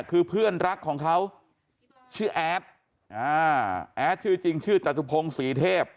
คือเพื่อนรักของเขาชื่อแอดแอดชื่อจริงชื่อจตุพงศรีเทพ